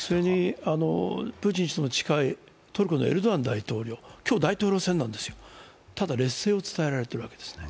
プーチン氏とも近いトルコのエルドアン大統領、今日、大統領選なんですけど、劣勢が伝えられているんですね。